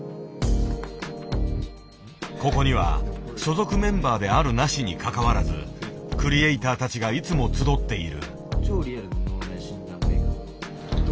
ここには所属メンバーであるなしにかかわらずクリエイターたちがいつも集っている。